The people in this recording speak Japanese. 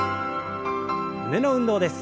胸の運動です。